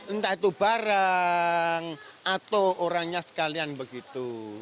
entah itu barang atau orangnya sekalian begitu